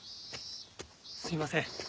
すいません。